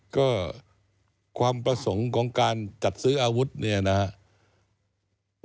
ก็ความประสงค์ของการจัดซื้ออาวุธเนี่ยนะครับ